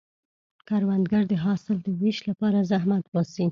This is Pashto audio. کروندګر د حاصل د ویش لپاره زحمت باسي